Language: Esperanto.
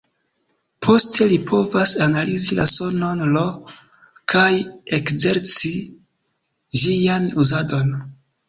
Poste li povas analizi la sonon "r", kaj ekzerci ĝian uzadon.